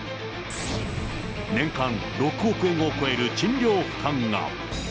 年間６億円を超える賃料負担が。